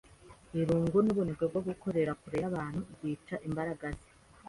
Irungu nubunebwe bwo gukorera kure yabantu byica imbaraga ze.